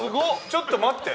ちょっと待って。